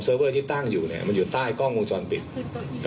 แล้วเว้นที่ตั้งอยู่เนี้ยมันอยู่ใต้กล้องกรุงจรติดสักกี่